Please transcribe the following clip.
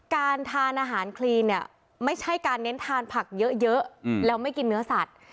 การทานอาหารคลีนเนี่ยไม่ใช่การเน้นทานผักเยอะแล้วไม่กินเนื้อสัตว์